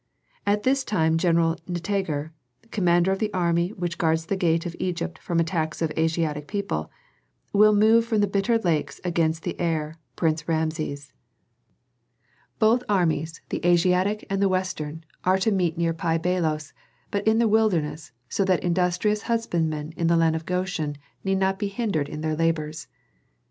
At this time General Nitager, commander of the army which guards the gates of Egypt from attacks of Asiatic people, will move from the Bitter Lakes against the heir, Prince Rameses. "Both armies, the Asiatic and the Western, are to meet near Pi Bailos, but in the wilderness, so that industrious husbandmen in the land of Goshen be not hindered in their labors.